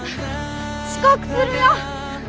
遅刻するよ！